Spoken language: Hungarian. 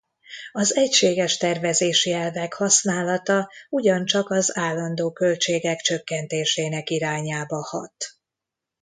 Az egységes tervezési elvek használata ugyancsak az állandó költségek csökkentésének irányába hat.